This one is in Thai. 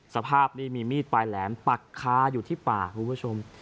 สภาพนี่มีมีดปลายแหลมปักคาอยู่ที่ปากคุณผู้ชม